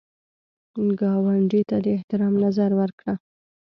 ګاونډي ته د احترام نظر وکړه